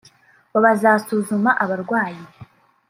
ngo bazasuzuma abarwayi